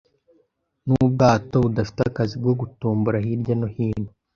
n'ubwato budafite akazi bwo gutombora hirya no hino.